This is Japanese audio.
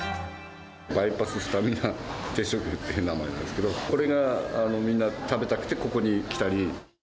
バイパススタミナ定食っていう名前なんですけど、これが、みんな食べたくて、ここに来たり。